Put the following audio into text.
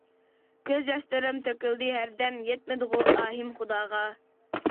كۆز ياشلىرىم تۆكۈلدى ھەردەم، يەتمىدىغۇ ئاھىم خۇداغا.